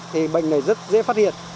thì bệnh này rất dễ phát hiện